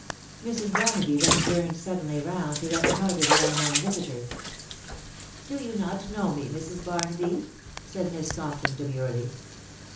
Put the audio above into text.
Mrs. Barnaby then turned suddenly round to reconnoitre the unknown visiter. " Do you not know me, Mrs. Barnaby ?" said Miss Compton demurely.